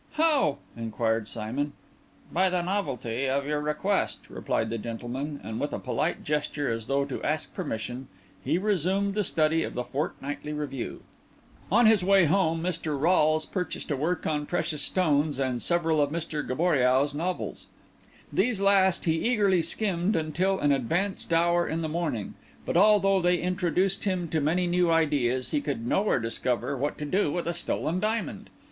"How?" inquired Simon. "By the novelty of your request," replied the gentleman; and with a polite gesture, as though to ask permission, he resumed the study of the Fortnightly Review. On his way home Mr. Rolles purchased a work on precious stones and several of Gaboriau's novels. These last he eagerly skimmed until an advanced hour in the morning; but although they introduced him to many new ideas, he could nowhere discover what to do with a stolen diamond.